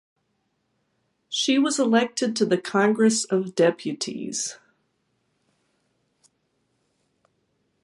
She was elected to the Congress of Deputies.